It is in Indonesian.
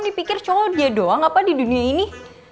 dipikir cuma dia doang apa di dunia ini